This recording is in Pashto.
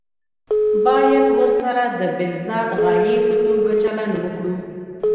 باید ورسره د بالذات غایې په توګه چلند وکړو.